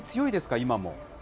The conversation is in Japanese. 今も。